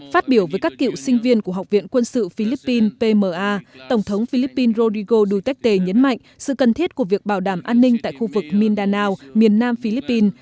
phát biểu với các cựu sinh viên của học viện quân sự philippines pma tổng thống philippines rodrigo duterte nhấn mạnh sự cần thiết của việc bảo đảm an ninh tại khu vực mindanao miền nam philippines